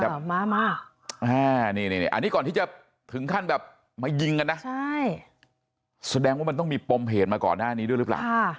อันนี้ก่อนที่จะถึงขั้นแบบมายิงกันนะแสดงมันต้องมีผมเหตุมาก่อนด้านนี้ด้วยรึเปล่า